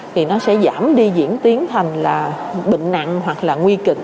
thì nó sẽ giảm đi diễn tiến thành là bệnh nặng hoặc là nguy kịch